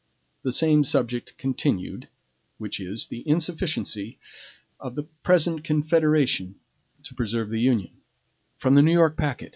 16 The Same Subject Continued (The Insufficiency of the Present Confederation to Preserve the Union) From the New York Packet.